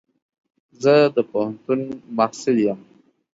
زه د پوهنتون محصل يم.